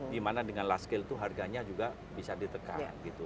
dimana dengan last scale itu harganya juga bisa ditekan gitu